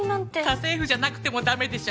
家政婦じゃなくても駄目でしょ。